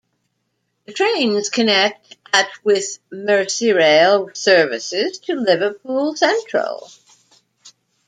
Trains connect at with Merseyrail services to Liverpool Central.